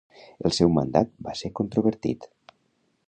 El seu mandat va ser controvertit.